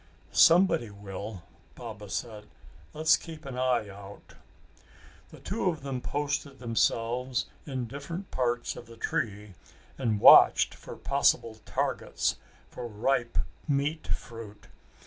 "Somebody will!" Baba said. "Let's keep an eye out." The two of them posted themselves in different parts of the tree and watched for possible targets for ripe meat fruit.